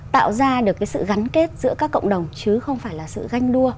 tạo ra được sự gắn kết giữa các cộng đồng chứ không phải là sự ganh đua